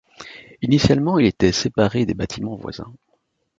Initialement, il était séparé des bâtiments voisins.